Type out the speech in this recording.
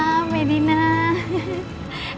ya kan sudah selesaiplaying game aja